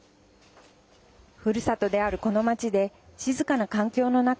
ふるさとである、この街で静かな環境の中